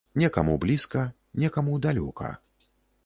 Некаму блізка, некаму далёка.